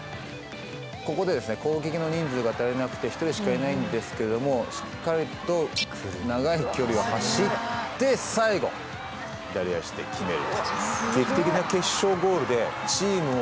ここで攻撃の人数が足りなくて１人しかいないんですけどもしっかりと長い距離を走って最後、左足で決める。